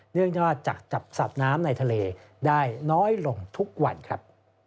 เนื่องจากจะจับสัตว์น้ำในทะเลได้น้อยลงทุกวันครับ